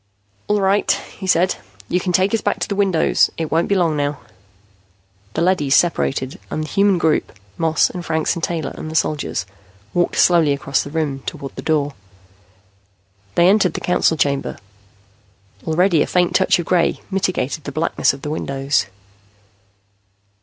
"All right," he said. "You can take us back to the windows. It won't be long now." The leadys separated, and the human group, Moss and Franks and Taylor and the soldiers, walked slowly across the room, toward the door. They entered the Council Chamber. Already a faint touch of gray mitigated the blackness of the windows.